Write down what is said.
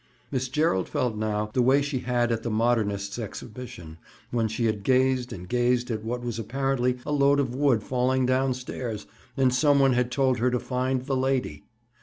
Miss Gerald felt now the way she had at the modernists' exhibition, when she had gazed and gazed at what was apparently a load of wood falling down stairs, and some one had told her to find the lady.